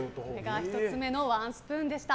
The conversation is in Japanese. １つ目のワンスプーンでした。